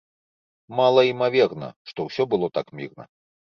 Малаімаверна, што ўсё было так мірна.